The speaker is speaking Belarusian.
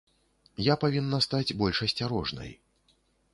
Я павінна стаць больш асцярожнай.